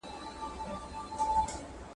خدایه زما له ښکلي ښاره زما له مسته کندهاره !.